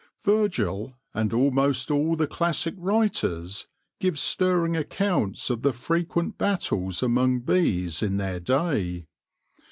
Virgil, and almost ail the classic writers, give stir ring accounts of the frequent battles among bees in their day.